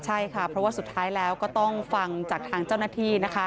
ใช่ค่ะเพราะว่าสุดท้ายแล้วก็ต้องฟังจากทางเจ้าหน้าที่นะคะ